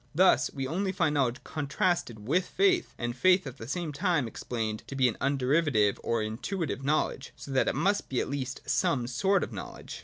Thus, we often find knowledge contrasted with faith, and faith at the same time explained to be an underiva tive or intuitive knowledge :— so that it must be at least some sort of knowledge.